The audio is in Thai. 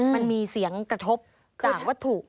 มันมีเสียงกระทบต่างว่าถูก